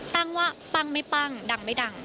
ตั้งว่าปั้งไม่ปั้งดังไม่ดัง